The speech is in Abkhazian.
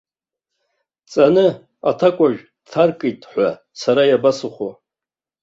Ҵаны, аҭакәажә дҭаркит ҳәа сара иабасыхәо.